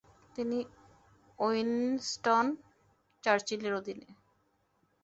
তিনি উইনসটন চার্চিলের অধীনে